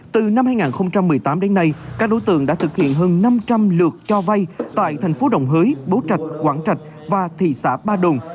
từ năm hai nghìn một mươi tám đến nay các đối tượng đã thực hiện hơn năm trăm linh lượt cho vay tại thành phố đồng hới bố trạch quảng trạch và thị xã ba đồn